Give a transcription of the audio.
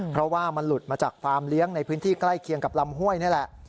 เพราะว่ามันหลุดมาจากฟาร์มเลี้ยงในพื้นที่ใกล้เคียงกับลำห้วยนี่แหละ